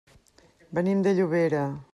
Venim de Llobera.